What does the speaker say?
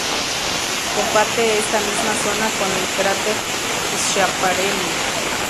Comparte esta misma zona con el cráter Schiaparelli.